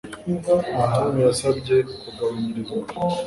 Tom yasabye kugabanyirizwa